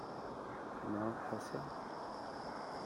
Tenɣam Ḥasan?